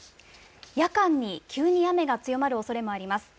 夜間に急に雨が強まるおそれもあります。